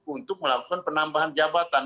untuk melakukan penambahan jabatan